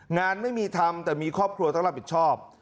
งานไม่มีทำแต่มีครอบครัวต้องรับผิดชอบ